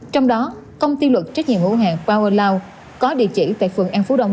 trong đó công ty luật trách nhiệm hữu hạng powerline có địa chỉ tại phường an phú đông